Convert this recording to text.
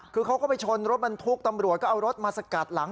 คือเขาก็ไปชนรถบรรทุกตำรวจก็เอารถมาสกัดหลัง